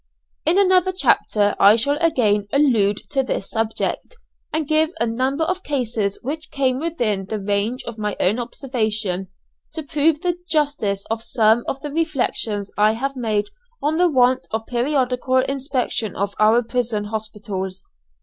In another chapter I shall again allude to this subject, and give a number of cases which came within the range of my own observation, to prove the justice of some of the reflections I have made on the want of periodical inspection of our prison hospitals.